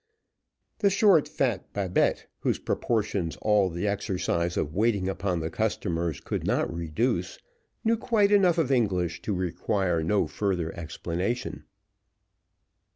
The short, fat Babette, whose proportions all the exercise of waiting upon the customers could not reduce, knew quite enough English to require no further explanation.